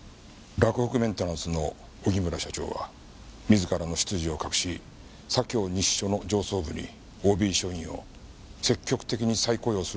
洛北メンテナンスの荻村社長は自らの出自を隠し左京西署の上層部にＯＢ署員を積極的に再雇用すると言って近づいてきました。